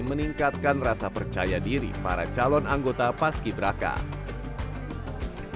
meningkatkan rasa percaya diri para calon anggota paski beraka